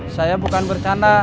saya bukan bercanda